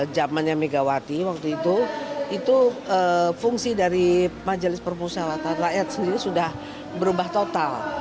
zamannya megawati waktu itu itu fungsi dari majelis permusyawatan rakyat sendiri sudah berubah total